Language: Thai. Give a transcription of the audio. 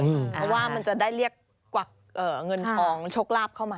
เพราะว่ามันจะได้เรียกกวักเงินทองโชคลาภเข้ามา